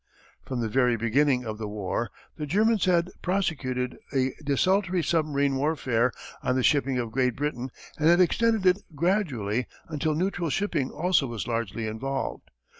From the very beginning of the war the Germans had prosecuted a desultory submarine warfare on the shipping of Great Britain and had extended it gradually until neutral shipping also was largely involved.